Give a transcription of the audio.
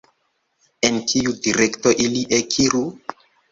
En kiu direkto ili ekiru?